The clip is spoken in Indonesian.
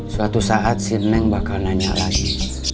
suatu saat si neng bakal nanya lagi